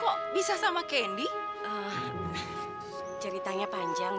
kok bisa sama kendi ceritanya panjang